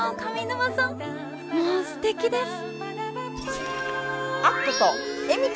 もうすてきです！